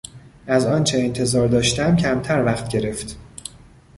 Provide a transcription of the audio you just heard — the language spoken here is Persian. از آنچه انتظار داشتم کمتر وقت گرفت.